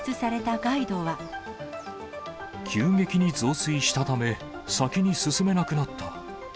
急激に増水したため、先に進めなくなった。